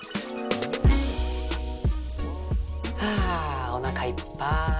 はあおなかいっぱい。